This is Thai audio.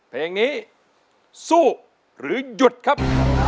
เพลงนี้สู้หรือหยุดครับ